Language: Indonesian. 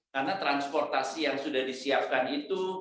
karena transportasi yang sudah disiapkan itu